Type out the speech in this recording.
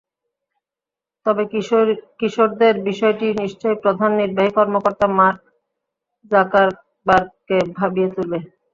তবে কিশোরদের বিষয়টি নিশ্চয়ই প্রধান নির্বাহী কর্মকর্তা মার্ক জাকারবার্গকে ভাবিয়ে তুলবে।